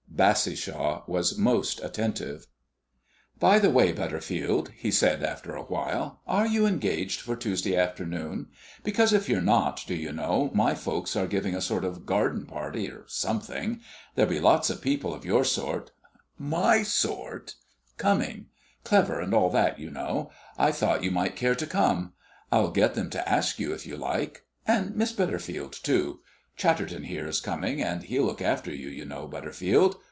Bassishaw was most attentive. "By the way, Butterfield," he said after a while, "are you engaged for Tuesday afternoon? Because if you're not, do you know, my folks are giving a sort of garden party, or something. There'll be lots of people of your sort" (my sort!) "coming clever, and all that, you know; I thought you might care to come. I'll get them to ask you, if you like. And Miss Butterfield, too; Chatterton here is coming, and he'll look after you, you know, Butterfield.